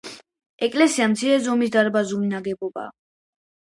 ეკლესია მცირე ზომის დარბაზული ნაგებობაა.